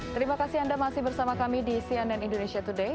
terima kasih anda masih bersama kami di cnn indonesia today